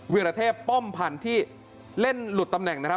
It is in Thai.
วิรเทพป้อมพันธ์ที่เล่นหลุดตำแหน่งนะครับ